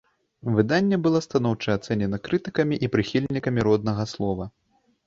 Выданне была станоўча ацэнена крытыкамі і прыхільнікамі роднага слова.